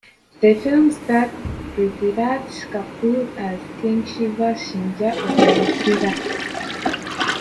The film starred Prithviraj Kapoor as King Shiva Singha of Mithila.